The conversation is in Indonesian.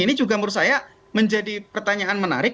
ini juga menurut saya menjadi pertanyaan menarik